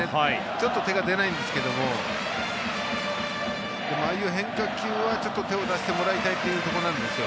ちょっと手が出ないんですけどああいう変化球はちょっと手を出してもらいたいところなんですよ。